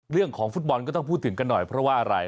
เรื่องของฟุตบอลก็ต้องพูดถึงกันหน่อยเพราะว่าอะไร